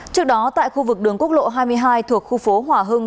trước đó tại khu vực đường quốc lộ hai mươi hai thuộc khu phố hòa hưng